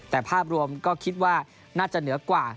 แต่ภาพรวมก็คิดว่าน่าจะเหนือกว่า